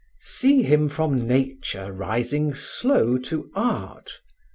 See him from Nature rising slow to art!